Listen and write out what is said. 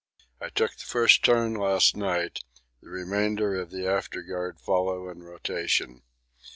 I took the first turn last night; the remainder of the afterguard follow in rotation.